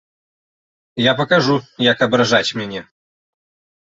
Я пакажу, як абражаць мяне!